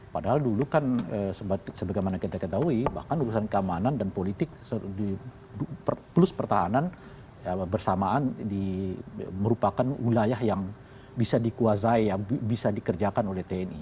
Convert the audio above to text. padahal dulu kan sebagaimana kita ketahui bahkan urusan keamanan dan politik plus pertahanan bersamaan merupakan wilayah yang bisa dikuasai yang bisa dikerjakan oleh tni